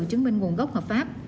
chứng minh nguồn gốc hợp pháp